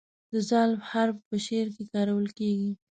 د "ذ" حرف په شعر کې کارول کیږي.